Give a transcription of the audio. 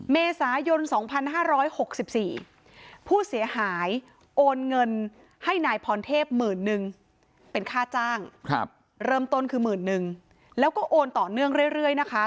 เมษายน๒๕๖๔ผู้เสียหายโอนเงินให้นายพรเทพหมื่นนึงเป็นค่าจ้างเริ่มต้นคือหมื่นนึงแล้วก็โอนต่อเนื่องเรื่อยนะคะ